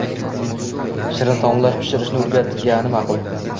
shirin taomlar pishirishni o‘rgatishgani ma’qul.